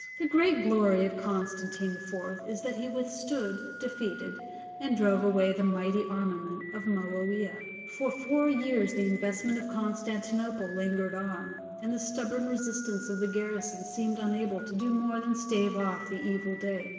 The great glory of Constantine IV. is that he withstood, defeated, and drove away the mighty armament of Moawiah. For four years the investment of Constantinople lingered on, and the stubborn resistance of the garrison seemed unable to do more than stave off the evil day.